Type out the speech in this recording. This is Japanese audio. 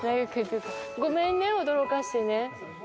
ごめんね、驚かせてね。